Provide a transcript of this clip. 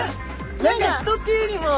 何か何か人っていうよりも。